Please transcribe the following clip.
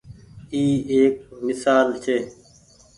اي ايڪ ميسال ڇي۔